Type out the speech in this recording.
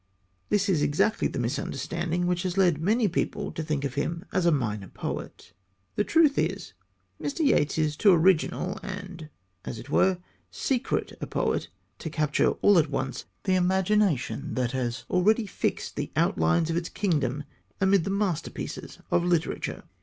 This is exactly the misunderstanding which has led many people to think of him as a minor poet. The truth is Mr. Yeats is too original and, as it were, secret a poet to capture all at once the imagination that has already fixed the outlines of its kingdom amid the masterpieces of literature.